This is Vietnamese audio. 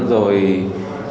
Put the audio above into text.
rồi báo tin